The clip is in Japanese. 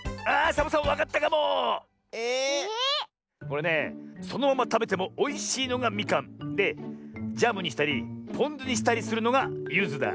これねそのままたべてもおいしいのがみかんでジャムにしたりぽんずにしたりするのがゆずだ。